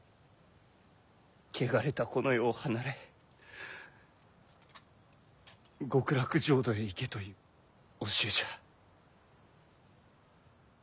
汚れたこの世を離れ極楽浄土へ行けという教えじゃ。